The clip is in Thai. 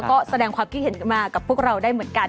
ก็แสดงความคิดเห็นกันมากับพวกเราได้เหมือนกัน